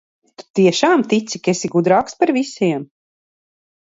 Tu tiešām tici, ka esi gudrāks par visiem.